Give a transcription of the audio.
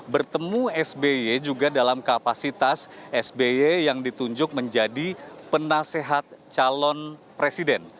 bertemu sby juga dalam kapasitas sby yang ditunjuk menjadi penasehat calon presiden